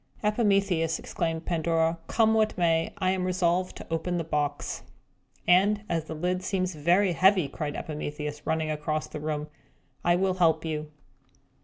"Epimetheus," exclaimed Pandora, "come what may, I am resolved to open the box!" "And, as the lid seems very heavy," cried Epimetheus, running across the room, "I will help you!"